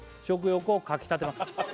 「食欲をかきたてます」